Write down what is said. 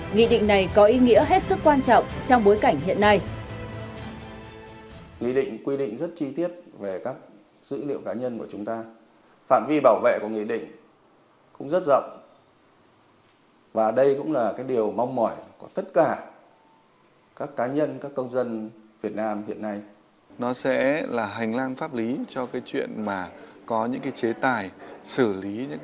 nghị định này có ý nghĩa hết sức quan trọng trong bối cảnh hiện nay